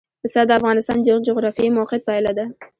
پسه د افغانستان د جغرافیایي موقیعت پایله ده.